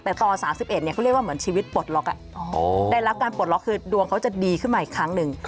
แต่ต่อ๓๑เขาเรียกว่าเหมือนชีวิตปลดล็อกได้รับการปลดล็อกคือดวงเขาจะดีขึ้นมาอีกครั้งหนึ่ง